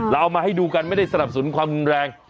เอามาให้ดูกันไม่ได้สนับสนุนความรุนแรง